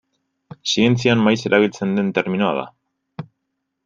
Zientzian maiz erabiltzen den terminoa da.